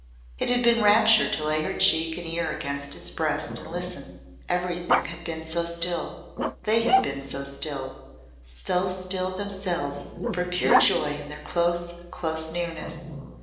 It had been rapture to lay her cheek and ear against his breast and listen. Everything had been so still. They had been so still so still themselves for pure joy in their close, close nearness.